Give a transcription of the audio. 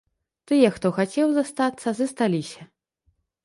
Тыя, хто хацеў застацца, засталіся.